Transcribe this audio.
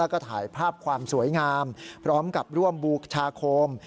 แล้วก็ถ่ายภาพความสวยงามพร้อมกับร่วมบูชาโคม